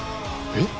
えっ！？